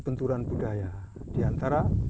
benturan budaya diantara